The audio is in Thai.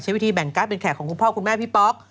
วิธีแบ่งการ์ดเป็นแขกของคุณพ่อคุณแม่พี่ป๊อก